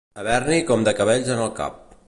Haver-n'hi com de cabells en el cap.